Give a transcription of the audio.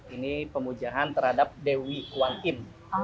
ini pemujaan terhadap dewi kuan yin